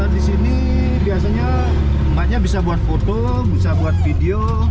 di sini biasanya emaknya bisa buat foto bisa buat video